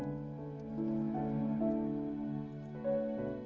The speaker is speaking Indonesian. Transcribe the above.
eh lupa aku mau ke rumah